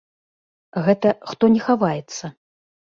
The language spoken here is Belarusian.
Гэта, хто не хаваецца.